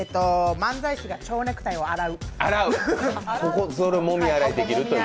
漫才師が蝶ネクタイを洗う。